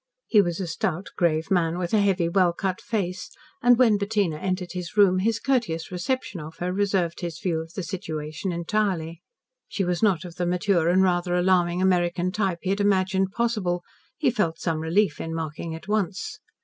He was a stout, grave man with a heavy, well cut face, and, when Bettina entered his room, his courteous reception of her reserved his view of the situation entirely. She was not of the mature and rather alarming American type he had imagined possible, he felt some relief in marking at once.